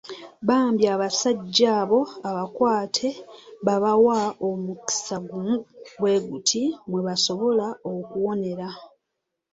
Bambi abasajja abo abakwate baabawa omukisa gumu bwe guti mwe basobola okuwonera.